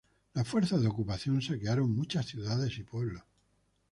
Las fuerzas de ocupación saquearon muchas ciudades y pueblos.